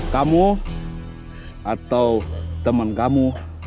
kamu atau teman kamu